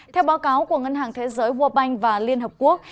theo báo cáo của ngân hàng thế giới world bank và liên hợp quốc